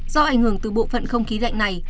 do ảnh hưởng từ bộ phận không khí lạnh này